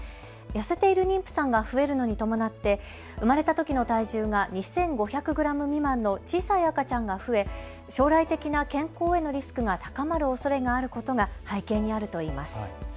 痩せている妊婦さんが増えるのに伴って、生まれたときの体重が２５００グラム未満の小さい赤ちゃんが増え将来的な健康へのリスクが高まるおそれがあることが背景にあるといいます。